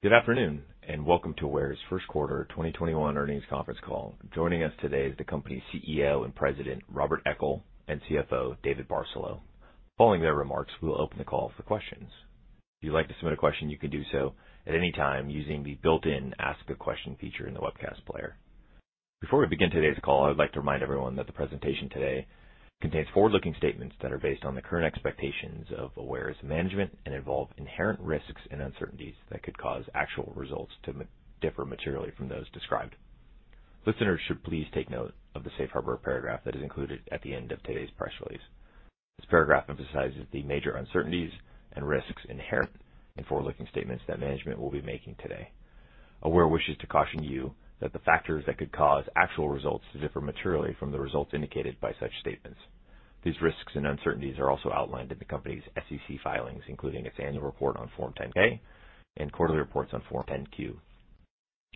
Good afternoon, welcome to Aware's First Quarter 2021 Earnings Conference Call. Joining us today is the company's CEO and President, Robert Eckel, and CFO, David Barcelo. Following their remarks, we will open the call for questions. If you'd like to submit a question, you can do so at any time using the built-in ask a question feature in the webcast player. Before we begin today's call, I would like to remind everyone that the presentation today contains forward-looking statements that are based on the current expectations of Aware's management and involve inherent risks and uncertainties that could cause actual results to differ materially from those described. Listeners should please take note of the safe harbor paragraph that is included at the end of today's press release. This paragraph emphasizes the major uncertainties and risks inherent in forward-looking statements that management will be making today. Aware wishes to caution you that the factors that could cause actual results to differ materially from the results indicated by such statements. These risks and uncertainties are also outlined in the company's SEC filings, including its annual report on Form 10-K and quarterly reports on Form 10-Q.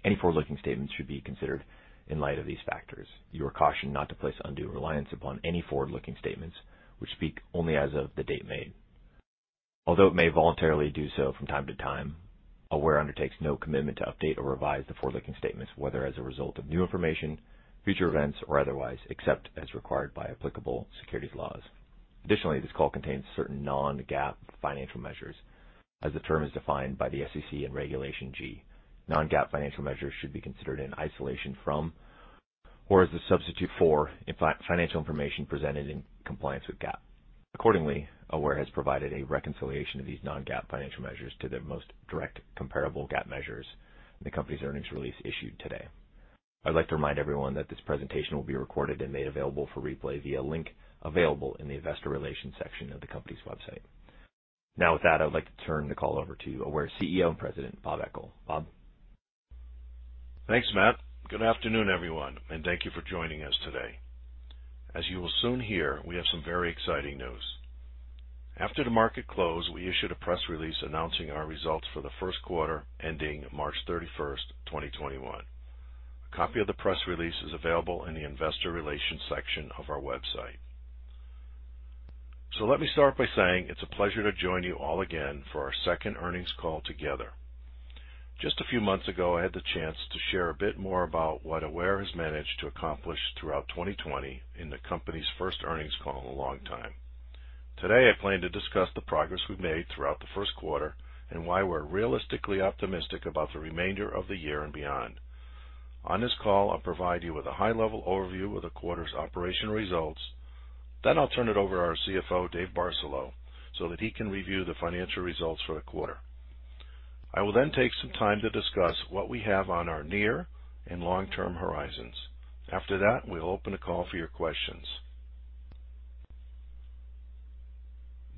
Any forward-looking statements should be considered in light of these factors. You are cautioned not to place undue reliance upon any forward-looking statements, which speak only as of the date made. Although it may voluntarily do so from time to time, Aware undertakes no commitment to update or revise the forward-looking statements, whether as a result of new information, future events, or otherwise, except as required by applicable securities laws. Additionally, this call contains certain non-GAAP financial measures as the term is defined by the SEC and Regulation G. Non-GAAP financial measures should be considered in isolation from, or as a substitute for, financial information presented in compliance with GAAP. Accordingly, Aware has provided a reconciliation of these non-GAAP financial measures to their most direct comparable GAAP measures in the company's earnings release issued today. I'd like to remind everyone that this presentation will be recorded and made available for replay via a link available in the investor relations section of the company's website. Now with that, I would like to turn the call over to Aware's CEO and President, Bob Eckel. Bob? Thanks, Matt. Good afternoon, everyone. Thank you for joining us today. As you will soon hear, we have some very exciting news. After the market close, we issued a press release announcing our results for the first quarter ending March 31st, 2021. A copy of the press release is available in the investor relations section of our website. Let me start by saying it's a pleasure to join you all again for our second earnings call together. Just a few months ago, I had the chance to share a bit more about what Aware has managed to accomplish throughout 2020 in the company's first earnings call in a long time. Today, I plan to discuss the progress we've made throughout the first quarter and why we're realistically optimistic about the remainder of the year and beyond. On this call, I'll provide you with a high-level overview of the quarter's operational results. I'll turn it over to our CFO, Dave Barcelo, so that he can review the financial results for the quarter. I will then take some time to discuss what we have on our near and long-term horizons. After that, we'll open the call for your questions.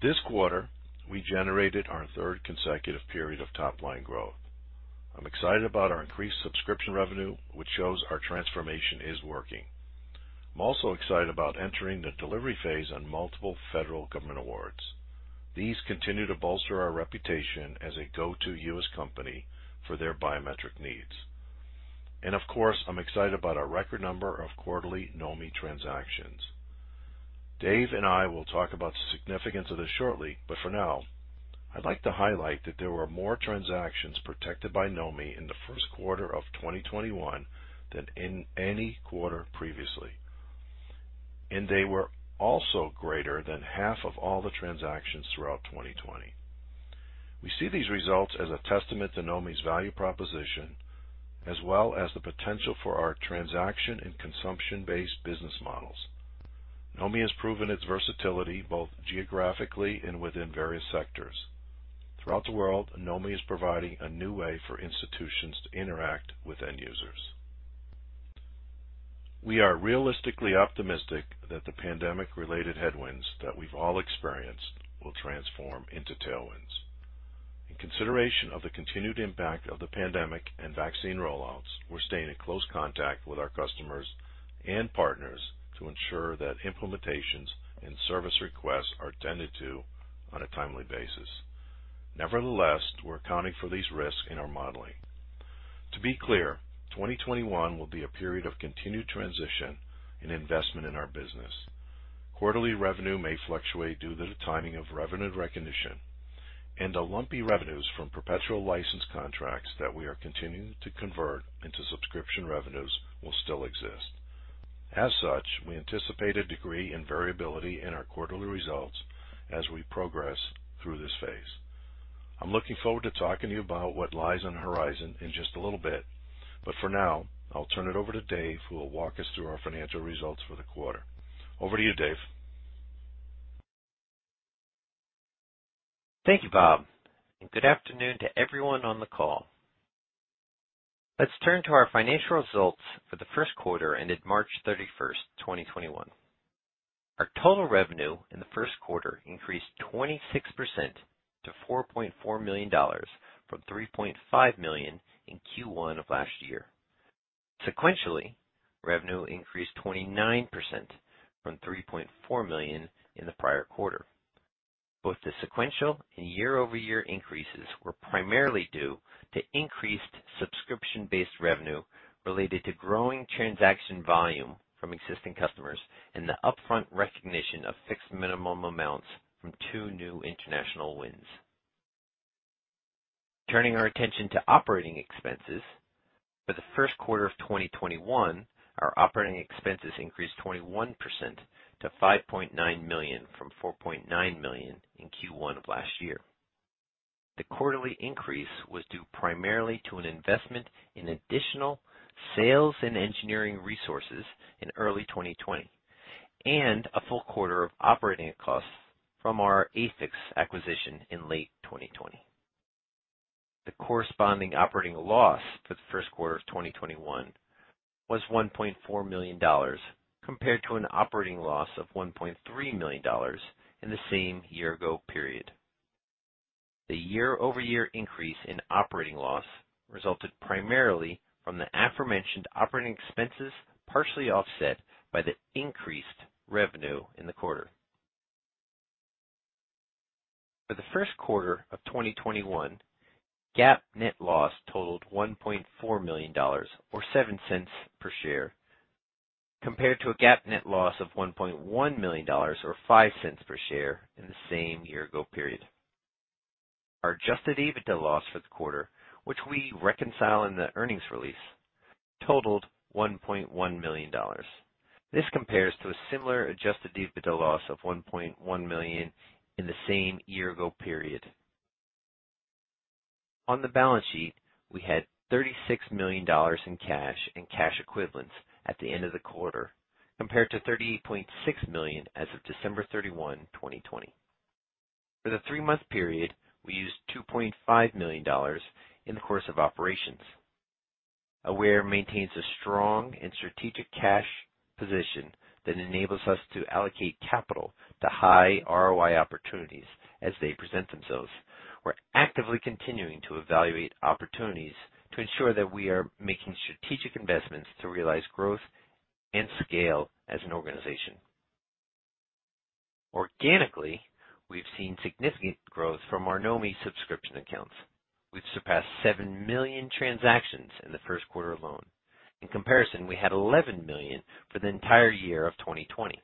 This quarter, we generated our third consecutive period of top-line growth. I'm excited about our increased subscription revenue, which shows our transformation is working. I'm also excited about entering the delivery phase on multiple federal government awards. These continue to bolster our reputation as a go-to U.S. company for their biometric needs. Of course, I'm excited about our record number of quarterly Knomi transactions. Dave and I will talk about the significance of this shortly. For now, I'd like to highlight that there were more transactions protected by Knomi in the first quarter of 2021 than in any quarter previously. They were also greater than half of all the transactions throughout 2020. We see these results as a testament to Knomi's value proposition, as well as the potential for our transaction and consumption-based business models. Knomi has proven its versatility, both geographically and within various sectors. Throughout the world, Knomi is providing a new way for institutions to interact with end users. We are realistically optimistic that the pandemic-related headwinds that we've all experienced will transform into tailwinds. In consideration of the continued impact of the pandemic and vaccine rollouts, we're staying in close contact with our customers and partners to ensure that implementations and service requests are tended to on a timely basis. Nevertheless, we're accounting for these risks in our modeling. To be clear, 2021 will be a period of continued transition and investment in our business. Quarterly revenue may fluctuate due to the timing of revenue recognition and the lumpy revenues from perpetual license contracts that we are continuing to convert into subscription revenues will still exist. As such, we anticipate a degree in variability in our quarterly results as we progress through this phase. I'm looking forward to talking to you about what lies on the horizon in just a little bit, but for now, I'll turn it over to Dave, who will walk us through our financial results for the quarter. Over to you, Dave. Thank you, Bob, and good afternoon to everyone on the call. Let's turn to our financial results for the first quarter ended March 31st, 2021. Our total revenue in the first quarter increased 26% to $4.4 million from $3.5 million in Q1 of last year. Sequentially, revenue increased 29% from $3.4 million in the prior quarter. Both the sequential and year-over-year increases were primarily due to increased subscription-based revenue related to growing transaction volume from existing customers and the upfront recognition of fixed minimum amounts from two new international wins. Turning our attention to operating expenses. For the first quarter of 2021, our operating expenses increased 21% to $5.9 million from $4.9 million in Q1 of last year. The quarterly increase was due primarily to an investment in additional sales and engineering resources in early 2020, and a full quarter of operating costs from our AFIX acquisition in late 2020. The corresponding operating loss for the first quarter of 2021 was $1.4 million, compared to an operating loss of $1.3 million in the same year-ago period. The year-over-year increase in operating loss resulted primarily from the aforementioned operating expenses, partially offset by the increased revenue in the quarter. For the first quarter of 2021, GAAP net loss totaled $1.4 million, or $0.07 per share, compared to a GAAP net loss of $1.1 million, or $0.05 per share in the same year-ago period. Our adjusted EBITDA loss for the quarter, which we reconcile in the earnings release, totaled $1.1 million. This compares to a similar adjusted EBITDA loss of $1.1 million in the same year-ago period. On the balance sheet, we had $36 million in cash and cash equivalents at the end of the quarter, compared to $38.6 million as of December 31, 2020. For the three-month period, we used $2.5 million in the course of operations. Aware maintains a strong and strategic cash position that enables us to allocate capital to high ROI opportunities as they present themselves. We're actively continuing to evaluate opportunities to ensure that we are making strategic investments to realize growth and scale as an organization. Organically, we've seen significant growth from our Knomi subscription accounts, which surpassed 7 million transactions in the first quarter alone. In comparison, we had 11 million for the entire year of 2020.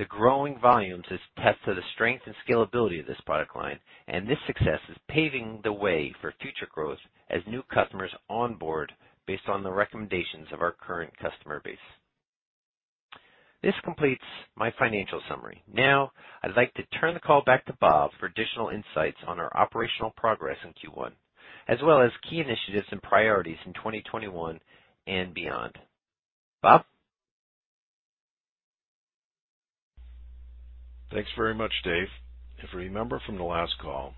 The growing volumes is a testament to the strength and scalability of this product line, and this success is paving the way for future growth as new customers onboard based on the recommendations of our current customer base. This completes my financial summary. Now, I'd like to turn the call back to Bob for additional insights on our operational progress in Q1, as well as key initiatives and priorities in 2021 and beyond. Bob? Thanks very much, Dave. If you remember from the last call,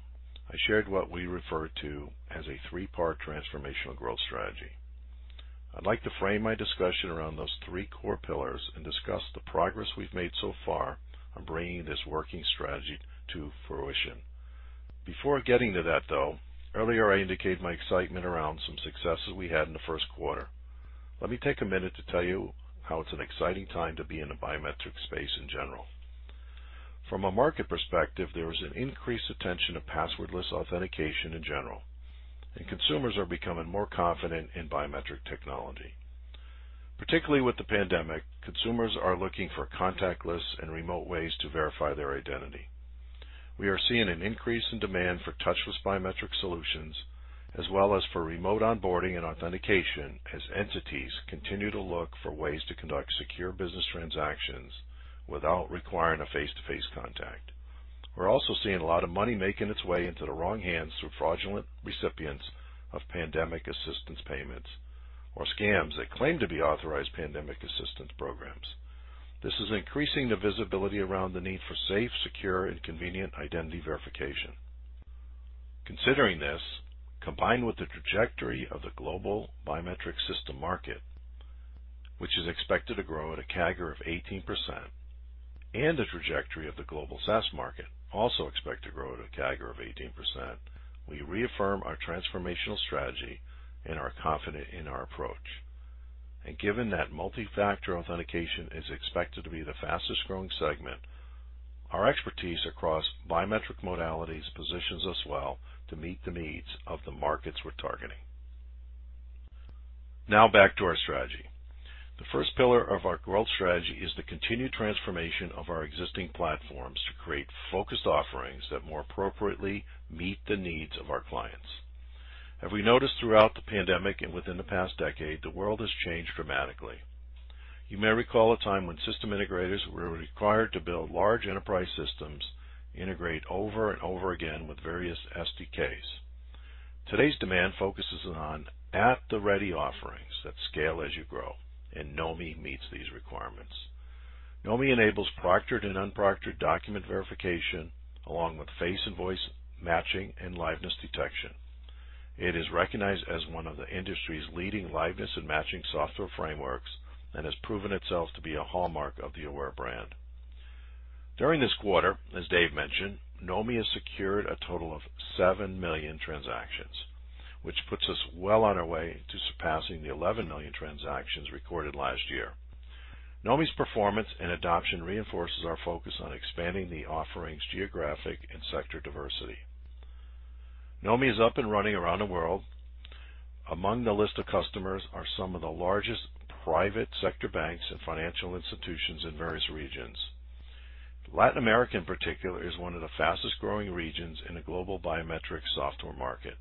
I shared what we refer to as a three-part transformational growth strategy. I'd like to frame my discussion around those three core pillars and discuss the progress we've made so far on bringing this working strategy to fruition. Before getting to that, though, earlier, I indicated my excitement around some successes we had in the first quarter. Let me take a minute to tell you how it's an exciting time to be in the biometric space in general. From a market perspective, there is an increased attention to passwordless authentication in general, and consumers are becoming more confident in biometric technology. Particularly with the pandemic, consumers are looking for contactless and remote ways to verify their identity. We are seeing an increase in demand for touchless biometric solutions, as well as for remote onboarding and authentication as entities continue to look for ways to conduct secure business transactions without requiring a face-to-face contact. We're also seeing a lot of money making its way into the wrong hands through fraudulent recipients of pandemic assistance payments or scams that claim to be authorized pandemic assistance programs. This is increasing the visibility around the need for safe, secure, and convenient identity verification. Considering this, combined with the trajectory of the global biometric system market, which is expected to grow at a CAGR of 18%, and the trajectory of the global SaaS market, also expected to grow at a CAGR of 18%, we reaffirm our transformational strategy and are confident in our approach. Given that multi-factor authentication is expected to be the fastest-growing segment, our expertise across biometric modalities positions us well to meet the needs of the markets we're targeting. Now back to our strategy. The first pillar of our growth strategy is the continued transformation of our existing platforms to create focused offerings that more appropriately meet the needs of our clients. As we noticed throughout the pandemic and within the past decade, the world has changed dramatically. You may recall a time when system integrators were required to build large enterprise systems, integrate over and over again with various SDKs. Today's demand focuses on at-the-ready offerings that scale as you grow, and Knomi meets these requirements. Knomi enables proctored and unproctored document verification, along with face and voice matching and liveness detection. It is recognized as one of the industry's leading liveness and matching software frameworks and has proven itself to be a hallmark of the Aware brand. During this quarter, as Dave mentioned, Knomi has secured a total of 7 million transactions, which puts us well on our way to surpassing the 11 million transactions recorded last year. Knomi's performance and adoption reinforces our focus on expanding the offering's geographic and sector diversity. Knomi is up and running around the world. Among the list of customers are some of the largest private sector banks and financial institutions in various regions. Latin America in particular is one of the fastest-growing regions in the global biometric software market.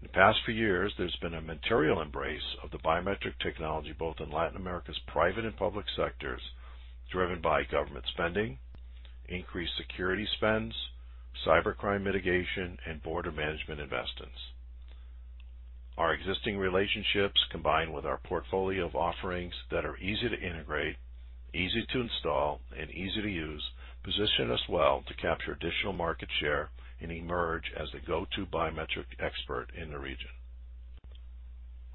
In the past few years, there's been a material embrace of biometric technology both in Latin America's private and public sectors, driven by government spending, increased security spends, cybercrime mitigation, and border management investments. Our existing relationships, combined with our portfolio of offerings that are easy to integrate, easy to install, and easy to use, position us well to capture additional market share and emerge as the go-to biometric expert in the region.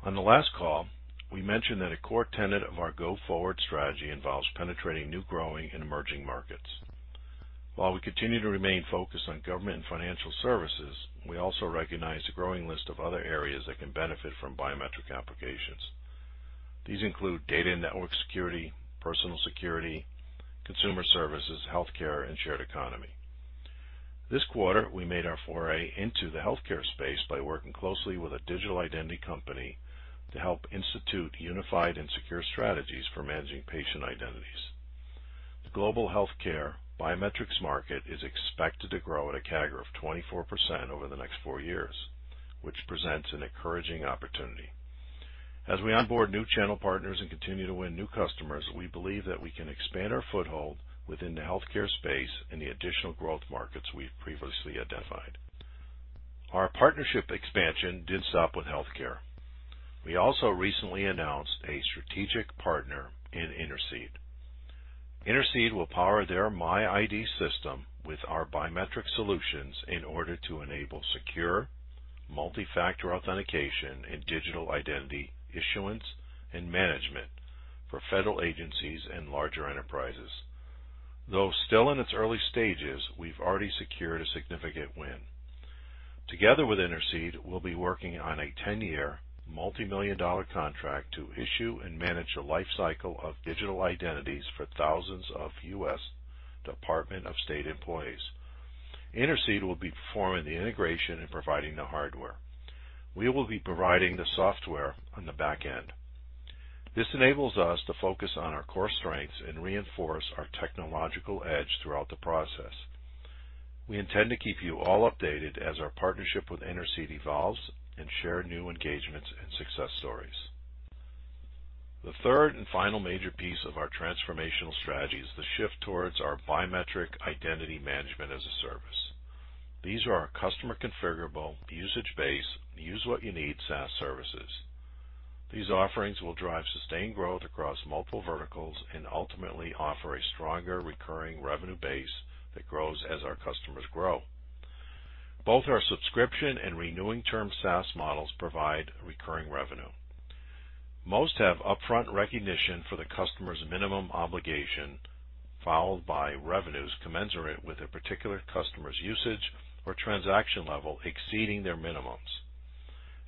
On the last call, we mentioned that a core tenet of our go-forward strategy involves penetrating new growing and emerging markets. While we continue to remain focused on government and financial services, we also recognize the growing list of other areas that can benefit from biometric applications. These include data network security, personal security, consumer services, healthcare, and shared economy. This quarter, we made our foray into the healthcare space by working closely with a digital identity company to help institute unified and secure strategies for managing patient identities. The global healthcare biometrics market is expected to grow at a CAGR of 24% over the next four years, which presents an encouraging opportunity. As we onboard new channel partners and continue to win new customers, we believe that we can expand our foothold within the healthcare space and the additional growth markets we've previously identified. Our partnership expansion didn't stop with healthcare. We also recently announced a strategic partner in Intercede. Intercede will power their MyID system with our biometric solutions in order to enable secure, multi-factor authentication and digital identity issuance and management for federal agencies and larger enterprises. Though still in its early stages, we've already secured a significant win. Together with Intercede, we'll be working on a 10-year, multi-million dollar contract to issue and manage the life cycle of digital identities for thousands of U.S. Department of State employees. Intercede will be performing the integration and providing the hardware. We will be providing the software on the back end. This enables us to focus on our core strengths and reinforce our technological edge throughout the process. We intend to keep you all updated as our partnership with Intercede evolves and share new engagements and success stories. The third and final major piece of our transformational strategy is the shift towards our biometric identity management as a service. These are our customer-configurable, usage-based, use-what-you-need SaaS services. These offerings will drive sustained growth across multiple verticals and ultimately offer a stronger recurring revenue base that grows as our customers grow. Both our subscription and renewing term SaaS models provide recurring revenue. Most have upfront recognition for the customer's minimum obligation, followed by revenues commensurate with a particular customer's usage or transaction level exceeding their minimums.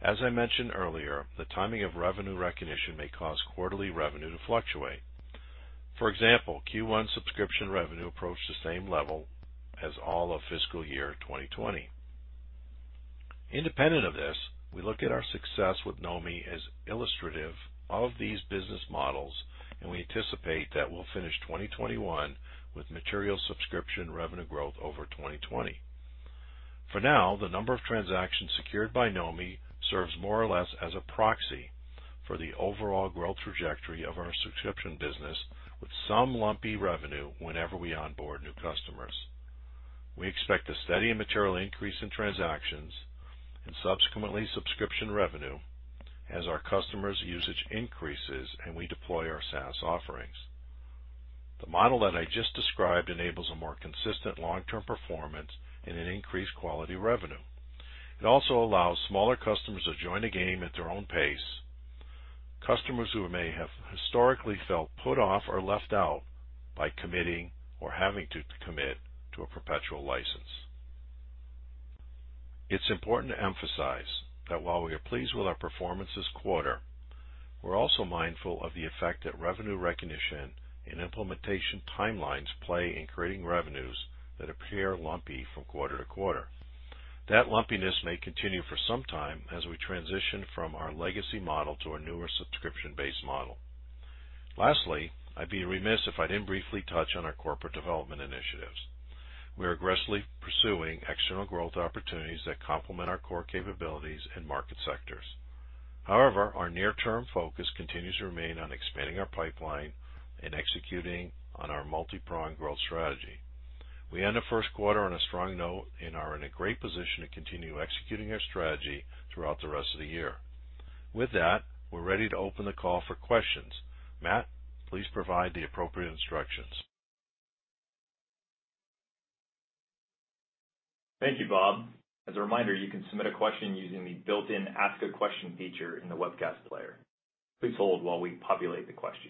As I mentioned earlier, the timing of revenue recognition may cause quarterly revenue to fluctuate. For example, Q1 subscription revenue approached the same level as all of fiscal year 2020. Independent of this, we look at our success with Knomi as illustrative of these business models, and we anticipate that we'll finish 2021 with material subscription revenue growth over 2020. For now, the number of transactions secured by Knomi serves more or less as a proxy for the overall growth trajectory of our subscription business, with some lumpy revenue whenever we onboard new customers. We expect a steady and material increase in transactions and subsequently subscription revenue as our customers' usage increases and we deploy our SaaS offerings. The model that I just described enables a more consistent long-term performance and an increased quality revenue. It also allows smaller customers to join the game at their own pace. Customers who may have historically felt put off or left out by committing or having to commit to a perpetual license. It's important to emphasize that while we are pleased with our performance this quarter, we're also mindful of the effect that revenue recognition and implementation timelines play in creating revenues that appear lumpy from quarter to quarter. That lumpiness may continue for some time as we transition from our legacy model to a newer subscription-based model. Lastly, I'd be remiss if I didn't briefly touch on our corporate development initiatives. We are aggressively pursuing external growth opportunities that complement our core capabilities and market sectors. However, our near-term focus continues to remain on expanding our pipeline and executing on our multi-pronged growth strategy. We end the first quarter on a strong note and are in a great position to continue executing our strategy throughout the rest of the year. With that, we're ready to open the call for questions. Matt, please provide the appropriate instructions. Thank you, Bob. As a reminder, you can submit a question using the built-in Ask a Question feature in the webcast player. Please hold while we populate the question.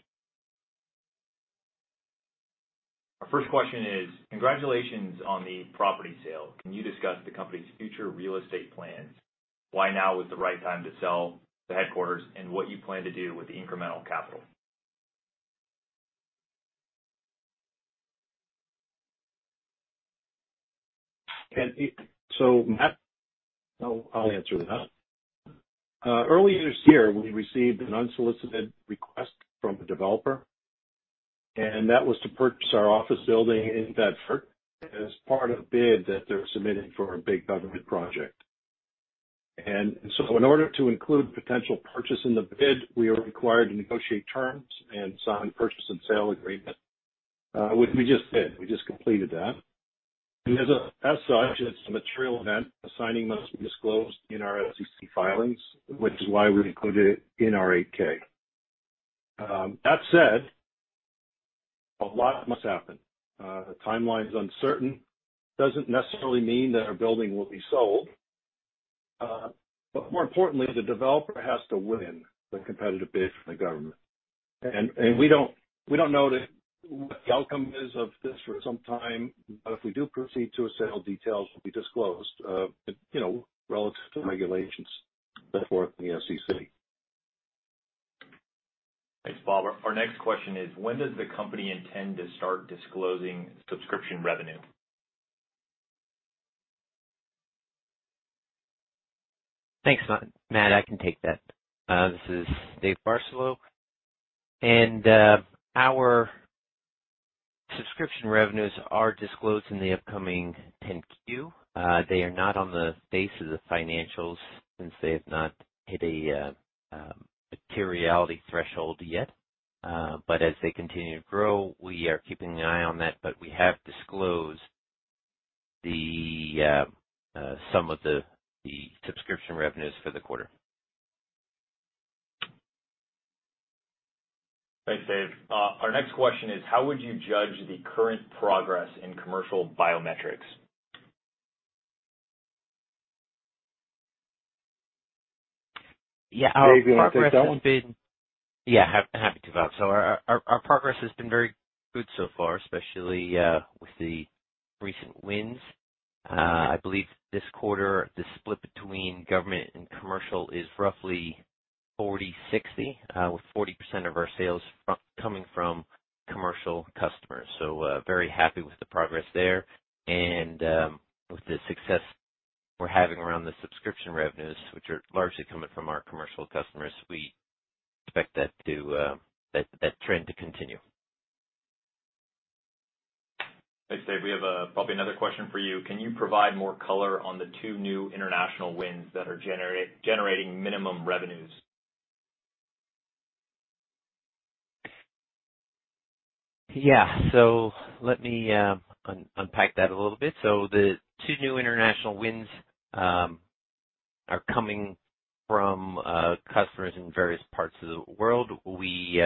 Our first question is, congratulations on the property sale. Can you discuss the company's future real estate plans? Why now is the right time to sell the headquarters, and what you plan to do with the incremental capital? Matt, no, I'll answer that. Earlier this year, we received an unsolicited request from a developer, and that was to purchase our office building in Bedford as part of a bid that they're submitting for a big government project. In order to include potential purchase in the bid, we are required to negotiate terms and sign a purchase and sale agreement, which we just did. We just completed that. As such, it's a material event. The signing must be disclosed in our SEC filings, which is why we included it in our 8-K. That said, a lot must happen. The timeline's uncertain. Doesn't necessarily mean that our building will be sold. More importantly, the developer has to win the competitive bid from the government. We don't know what the outcome is of this for some time. If we do proceed to a sale, details will be disclosed, relative to regulations set forth in the SEC. Thanks, Bob. Our next question is: When does the company intend to start disclosing subscription revenue? Thanks, Matt. I can take that. This is Dave Barcelo. Our subscription revenues are disclosed in the upcoming 10-Q. They are not on the face of the financials since they have not hit a materiality threshold yet. As they continue to grow, we are keeping an eye on that, but we have disclosed the sum of the subscription revenues for the quarter. Thanks, Dave. Our next question is: How would you judge the current progress in commercial biometrics? Yeah. Dave, you want to take that one? Yeah, happy to, Bob. Our progress has been very good so far, especially with the recent wins. I believe this quarter, the split between government and commercial is roughly 40/60, with 40% of our sales coming from commercial customers. Very happy with the progress there and with the success we're having around the subscription revenues, which are largely coming from our commercial customers. We expect that trend to continue. Thanks, Dave. We have probably another question for you. Can you provide more color on the two new international wins that are generating minimum revenues? Yeah. Let me unpack that a little bit. The two new international wins are coming from customers in various parts of the world. We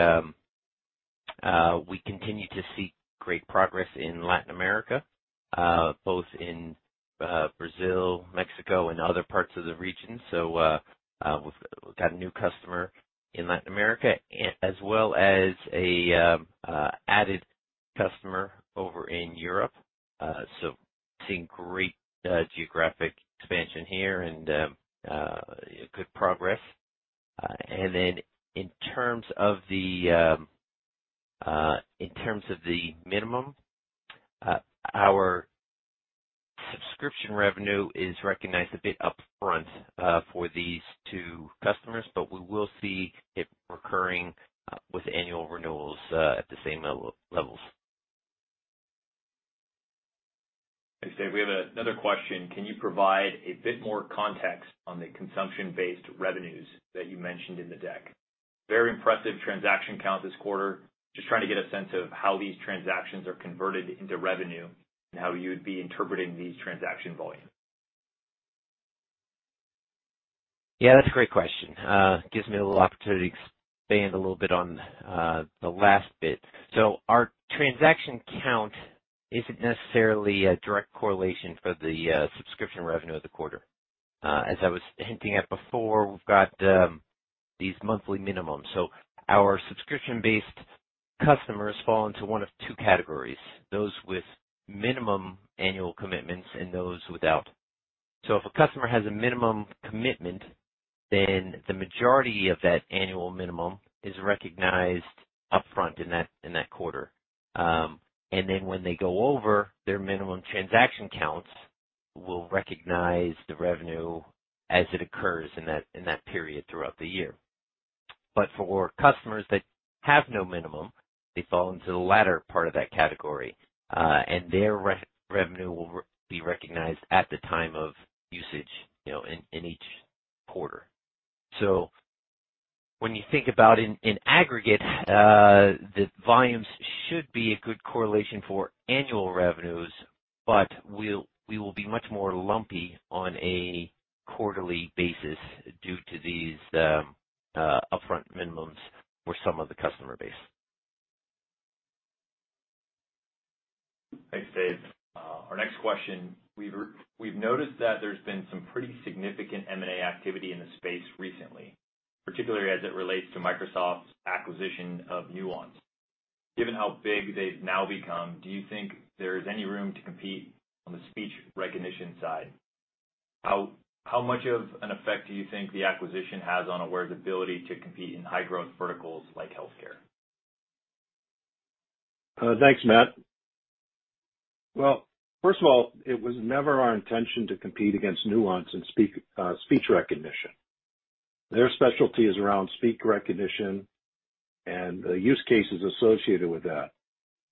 continue to see great progress in Latin America, both in Brazil, Mexico, and other parts of the region. We've got a new customer in Latin America as well as an added customer over in Europe. Seeing great geographic expansion here and good progress. In terms of the minimum, our subscription revenue is recognized a bit upfront for these two customers, but we will see it recurring with annual renewals at the same levels. Thanks, Dave. We have another question. Can you provide a bit more context on the consumption-based revenues that you mentioned in the deck? Very impressive transaction count this quarter. Just trying to get a sense of how these transactions are converted into revenue and how you'd be interpreting the transaction volume. Yeah, that's a great question. Gives me a little opportunity to expand a little bit on the last bit. Our transaction count isn't necessarily a direct correlation for the subscription revenue of the quarter. As I was hinting at before, we've got these monthly minimums. Our subscription-based customers fall into one of two categories, those with minimum annual commitments and those without. If a customer has a minimum commitment, then the majority of that annual minimum is recognized upfront in that quarter. When they go over their minimum transaction counts, we'll recognize the revenue as it occurs in that period throughout the year. For customers that have no minimum, they fall into the latter part of that category, and their revenue will be recognized at the time of usage in each quarter. When you think about in aggregate, the volumes should be a good correlation for annual revenues, but we will be much more lumpy on a quarterly basis due to these upfront minimums for some of the customer base. Thanks, Dave. Our next question. We've noticed that there's been some pretty significant M&A activity in the space recently, particularly as it relates to Microsoft's acquisition of Nuance. Given how big they've now become, do you think there is any room to compete on the speech recognition side? How much of an effect do you think the acquisition has on Aware's ability to compete in high-growth verticals like healthcare? Thanks, Matt. Well, first of all, it was never our intention to compete against Nuance in speech recognition. Their specialty is around speech recognition and the use cases associated with that,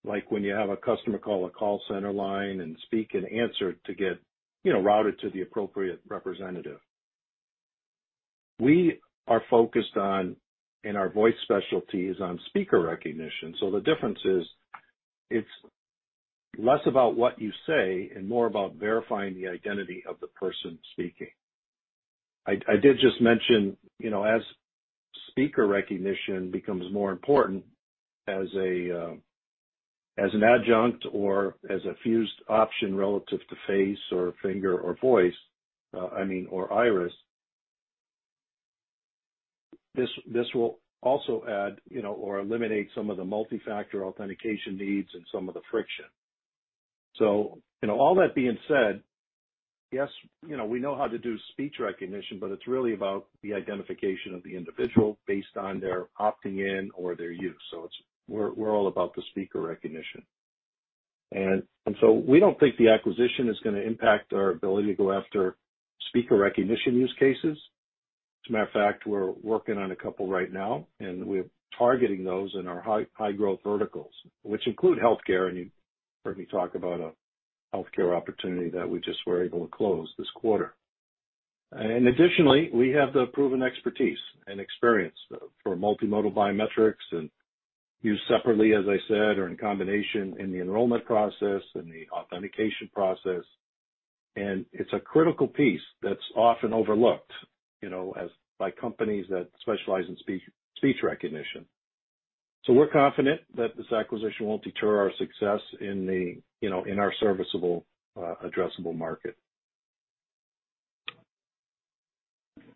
like when you have a customer call a call center line and speak an answer to get routed to the appropriate representative. We are focused on, and our voice specialty is on speaker recognition. The difference is, it's less about what you say and more about verifying the identity of the person speaking. I did just mention, as speaker recognition becomes more important as an adjunct or as a fused option relative to face or finger or voice, I mean, or iris, this will also add or eliminate some of the multi-factor authentication needs and some of the friction. All that being said, yes, we know how to do speech recognition, but it's really about the identification of the individual based on their opting in or their use. We're all about the speaker recognition. We don't think the acquisition is going to impact our ability to go after speaker recognition use cases. As a matter of fact, we're working on a couple right now, and we're targeting those in our high growth verticals, which include healthcare, and you've heard me talk about a healthcare opportunity that we just were able to close this quarter. Additionally, we have the proven expertise and experience for multimodal biometrics and used separately, as I said, or in combination in the enrollment process and the authentication process. It's a critical piece that's often overlooked by companies that specialize in speech recognition. We're confident that this acquisition won't deter our success in our serviceable addressable market.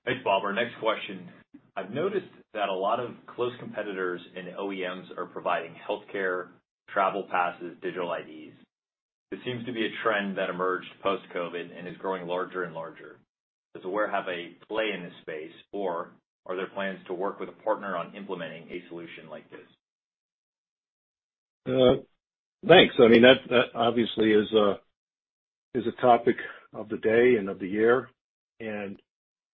Thanks, Bob. Our next question. I've noticed that a lot of close competitors in OEMs are providing healthcare, travel passes, digital IDs. This seems to be a trend that emerged post-COVID and is growing larger and larger. Does Aware have a play in this space, or are there plans to work with a partner on implementing a solution like this? Thanks. I mean, that obviously is a topic of the day and of the year.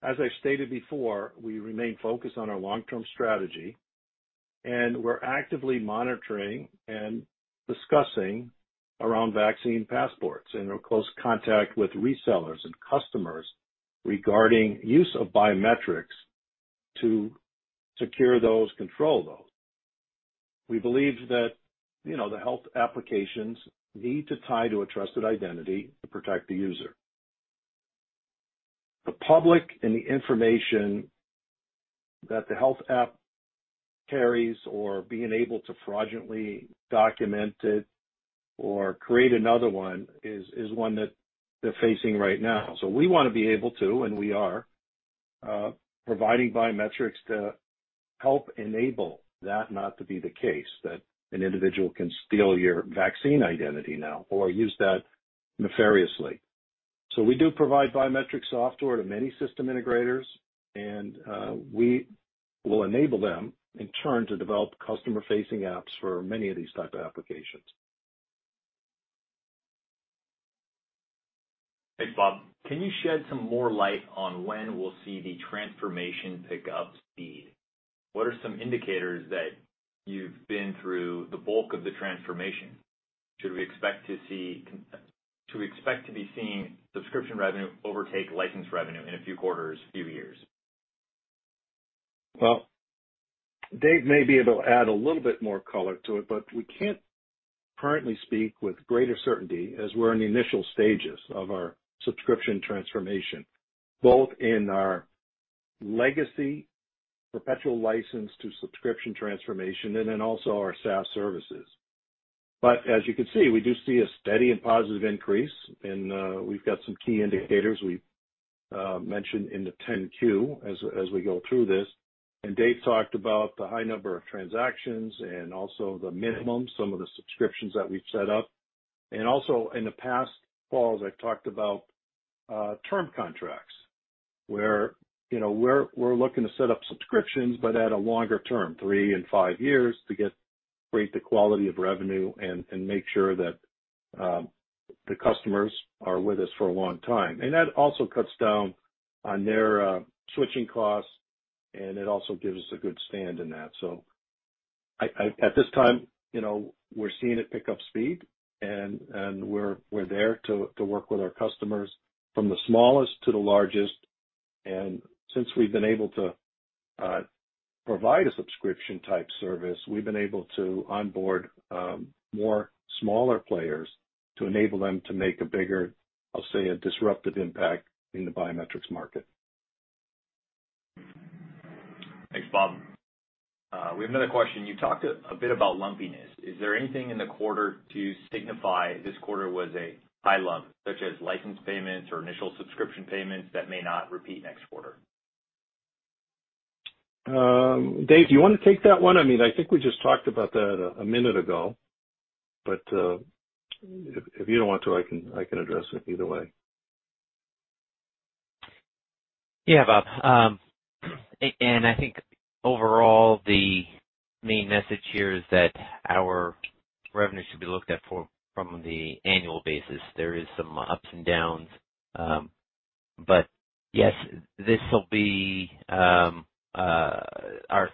As I stated before, we remain focused on our long-term strategy, and we're actively monitoring and discussing around vaccine passports in close contact with resellers and customers regarding use of biometrics to secure those, control those. We believe that the health applications need to tie to a trusted identity to protect the user. The public and the information that the health app carries or being able to fraudulently document it or create another one is one that they're facing right now. We want to be able to, and we are, providing biometrics to help enable that not to be the case, that an individual can steal your vaccine identity now or use that nefariously. We do provide biometric software to many system integrators, and we will enable them, in turn, to develop customer-facing apps for many of these type of applications. Thanks, Bob. Can you shed some more light on when we'll see the transformation pick up speed? What are some indicators that you've been through the bulk of the transformation? Should we expect to be seeing subscription revenue overtake license revenue in a few quarters, few years? Dave may be able to add a little bit more color to it, but we can't currently speak with greater certainty as we're in the initial stages of our subscription transformation, both in our legacy perpetual license to subscription transformation and then also our SaaS services. As you can see, we do see a steady and positive increase and we've got some key indicators we mentioned in the 10-Q as we go through this. Dave talked about the high number of transactions and also the minimum, some of the subscriptions that we've set up. Also, in the past calls, I've talked about term contracts where we're looking to set up subscriptions, but at a longer term, three and five years, to get greater quality of revenue and make sure that the customers are with us for a long time. That also cuts down on their switching costs, and it also gives us a good stand in that. At this time, we're seeing it pick up speed, and we're there to work with our customers from the smallest to the largest. Since we've been able to provide a subscription-type service, we've been able to onboard more smaller players to enable them to make a bigger, I'll say, a disruptive impact in the biometrics market. Thanks, Bob. We have another question. You talked a bit about lumpiness. Is there anything in the quarter to signify this quarter was a high lump, such as license payments or initial subscription payments that may not repeat next quarter? Dave, do you want to take that one? I mean, I think we just talked about that a minute ago, but if you don't want to, I can address it either way. Yeah, Bob. I think overall, the main message here is that our revenue should be looked at from the annual basis. There is some ups and downs. Yes, this'll be our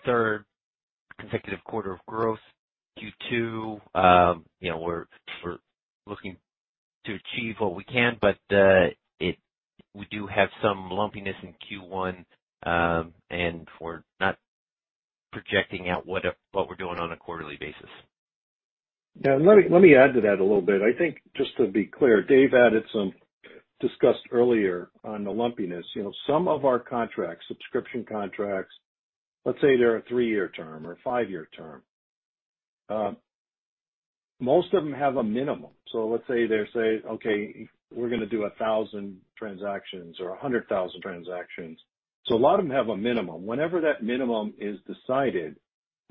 third consecutive quarter of growth, Q2. We're looking to achieve what we can, but we do have some lumpiness in Q1. We're not projecting out what we're doing on a quarterly basis. Let me add to that a little bit. I think, just to be clear, Dave discussed earlier on the lumpiness. Some of our contracts, subscription contracts, let's say they're a three-year term or a five-year term. Most of them have a minimum. Let's say they say, "Okay, we're going to do 1,000 transactions or 100,000 transactions." A lot of them have a minimum. Whenever that minimum is decided,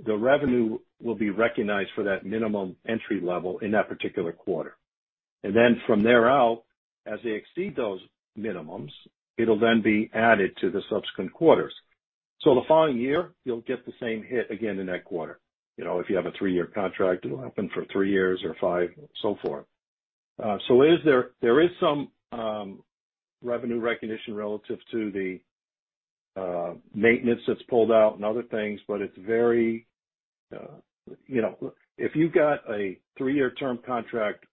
the revenue will be recognized for that minimum entry level in that particular quarter. From there out, as they exceed those minimums, it'll then be added to the subsequent quarters. The following year, you'll get the same hit again in that quarter. If you have a three-year contract, it'll happen for three years or five, so forth. There is some revenue recognition relative to the maintenance that's pulled out and other things, but if you've got a three-year term contract,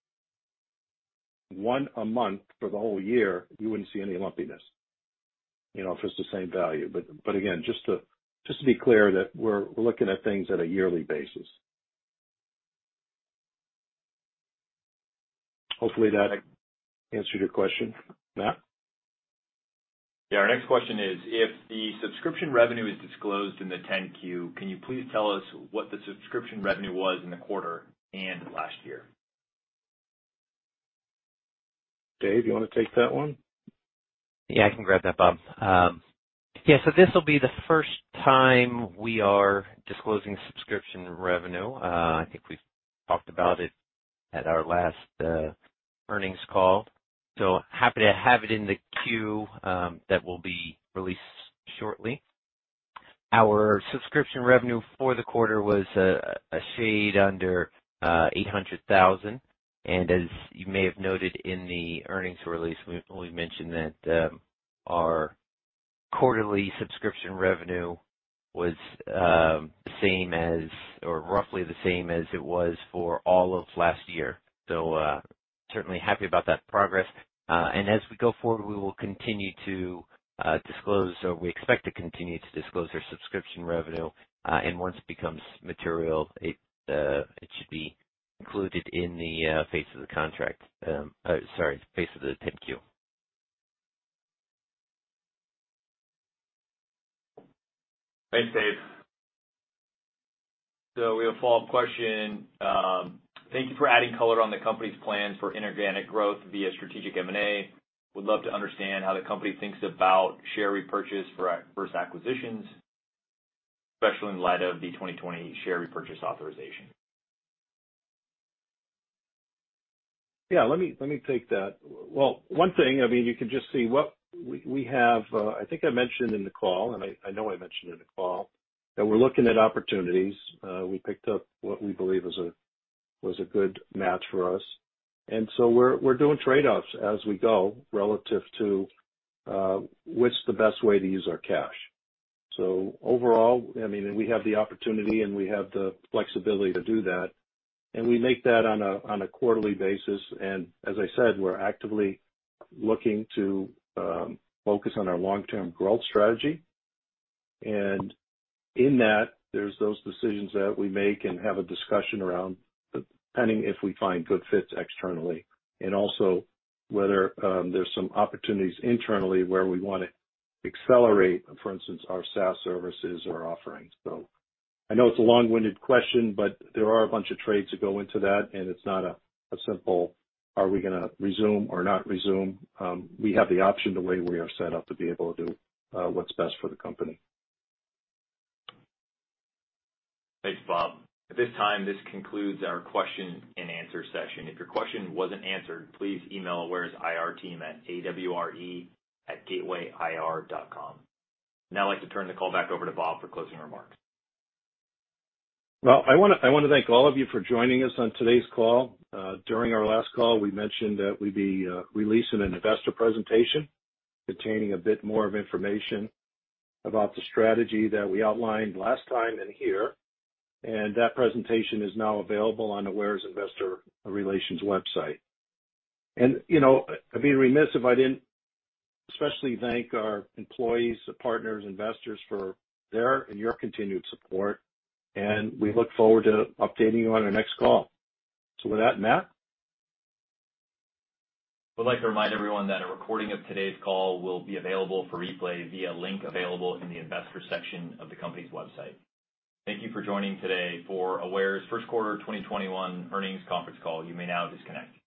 one a month for the whole year, you wouldn't see any lumpiness if it's the same value. Again, just to be clear that we're looking at things at a yearly basis. Hopefully that answered your question, Matt. Yeah, our next question is: If the subscription revenue is disclosed in the 10-Q, can you please tell us what the subscription revenue was in the quarter and last year? David, you want to take that one? Yeah, I can grab that, Bob. This'll be the first time we are disclosing subscription revenue. I think we've talked about it at our last earnings call. Happy to have it in the Q that will be released shortly. Our subscription revenue for the quarter was a shade under $800,000. As you may have noted in the earnings release, we mentioned that our quarterly subscription revenue was the same as, or roughly the same as it was for all of last year. Certainly happy about that progress. As we go forward, we will continue to disclose, or we expect to continue to disclose our subscription revenue. Once it becomes material, it should be included in the face of the sorry, face of the 10-Q. Thanks, Dave. We have a follow-up question. Thank you for adding color on the company's plan for inorganic growth via strategic M&A. Would love to understand how the company thinks about share repurchase versus acquisitions, especially in light of the 2020 share repurchase authorization. Let me take that. Well, one thing, you can just see what we have. I know I mentioned in the call that we're looking at opportunities. We picked up what we believe was a good match for us. We're doing trade-offs as we go relative to what's the best way to use our cash. Overall, we have the opportunity, and we have the flexibility to do that. We make that on a quarterly basis. As I said, we're actively looking to focus on our long-term growth strategy. In that, there's those decisions that we make and have a discussion around, depending if we find good fits externally. Also whether there's some opportunities internally where we want to accelerate, for instance, our SaaS services or offerings. I know it's a long-winded question, but there are a bunch of trades that go into that, and it's not a simple, are we going to resume or not resume? We have the option the way we are set up to be able to do what's best for the company. Thanks, Bob. At this time, this concludes our question and answer session. If your question wasn't answered, please email Aware's IR team at aware@gatewayir.com. Now I'd like to turn the call back over to Bob for closing remarks. Well, I want to thank all of you for joining us on today's call. During our last call, we mentioned that we'd be releasing an investor presentation containing a bit more of information about the strategy that we outlined last time and here. That presentation is now available on Aware's investor relations website. I'd be remiss if I didn't especially thank our employees, partners, investors for their and your continued support. We look forward to updating you on our next call. With that, Matt. Would like to remind everyone that a recording of today's call will be available for replay via link available in the Investors section of the company's website. Thank you for joining today for Aware's first quarter 2021 earnings conference call. You may now disconnect.